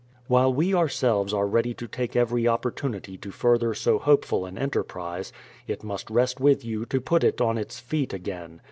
While we ourselves are ready to take every opportunity to further so hopeful an enterprise, it must rest with you to put it on its feet again.